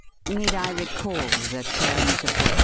Need I recall the terms of the